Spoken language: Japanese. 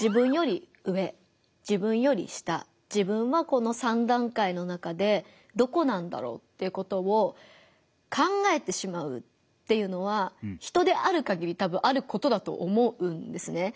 自分より上自分より下自分はこの３段階の中でどこなんだろうっていうことを考えてしまうっていうのは人であるかぎりたぶんあることだと思うんですね。